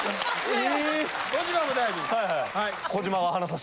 ・え！